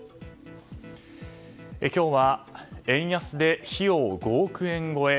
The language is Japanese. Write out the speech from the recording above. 今日は、円安で費用５億円超え